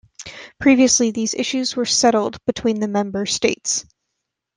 Previously, these issues were settled between the member states.